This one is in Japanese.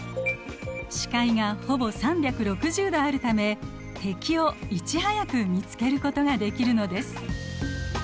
視界がほぼ３６０度あるため敵をいち早く見つけることができるのです。